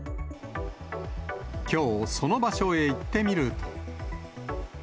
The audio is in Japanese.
きょう、その場所へ行ってみると。